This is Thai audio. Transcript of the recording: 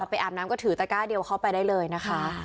ไปอาบน้ำก็ถือตะก้าเดียวเข้าไปได้เลยนะคะ